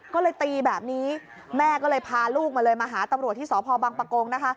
ก็เลยตีแบบนี้แม่ก็เลยพาลูกมาเลยมาหาตำรวจที่สพบังปะโกงนะคะ